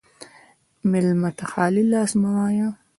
مېلمه ته خالي لاس مه وایه.